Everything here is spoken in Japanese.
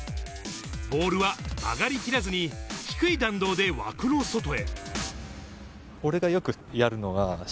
ボールは曲がり切らずに低い弾道で枠の外へ。